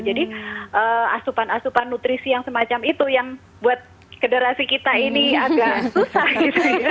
jadi asupan asupan nutrisi yang semacam itu yang buat generasi kita ini agak susah gitu ya